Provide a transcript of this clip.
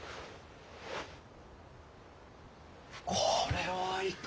これはいかん！